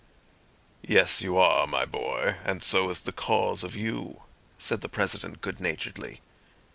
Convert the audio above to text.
"Yes you are, my boy, and so is the cause of you," said the President good naturedly.